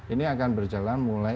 ini akan berjalan mulai